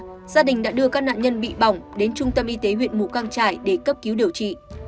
gia đình đã đưa các nạn nhân bị bỏng đến trung tâm y tế huyện mù căng trải để cấp cứu điều trị